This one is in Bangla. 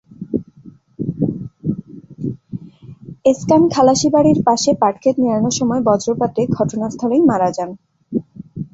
এসকান খালাসী বাড়ির পাশে পাটখেত নিড়ানোর সময় বজ্রপাতে ঘটনাস্থলেই মারা যান।